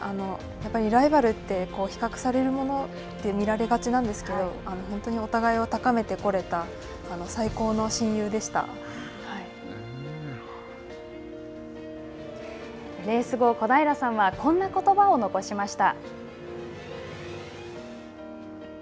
やっぱりライバルって比較されるものって見られがちなんですけれども本当にお互いを高めてこれた最高レース後小平さんはこんなことばを残しました。